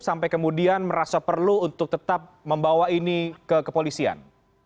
sampai kemudian merasa perlu untuk tetap membawa ini ke kepolisian